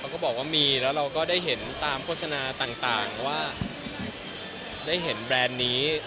ก็บอกว่ามีแล้วเราก็ได้เห็นตามโฆษณาต่างว่าได้เห็นแบรนด์นี้